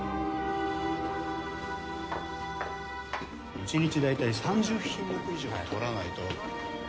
１日だいたい３０品目以上は取らないと。